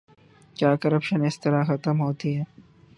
کیا کرپشن اس طرح ختم ہوتی ہے؟